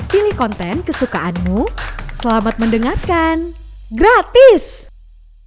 mungkin mungkin gitu sih